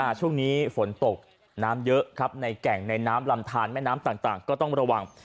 ช่วงนี้ฝนตกน้ำเยอะครับในแก่งในน้ำลำทานแม่น้ำต่างต่างก็ต้องระวัง